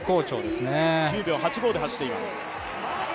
１０秒８５で走っています。